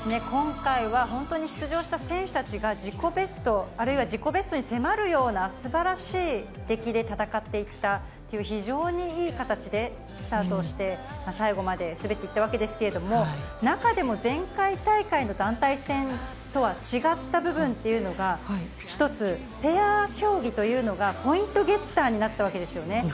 今回は、本当に出場した選手たちが自己ベストを、あるいは自己ベストに迫るような、すばらしい出来で戦っていったという、非常にいい形でスタートをして、最後まで滑りきったわけですけれども、中でも前回大会の団体戦とは違った部分っていうのが、一つ、ペア競技というのがポイントゲッターになったわけですよね。